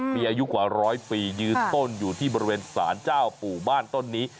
มีอายุกว่าร้อยปียืนต้นอยู่ที่บริเวณสารเจ้าปู่บ้านต้นนี้